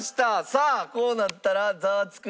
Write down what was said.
さあこうなったらザワつく！